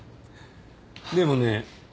でもね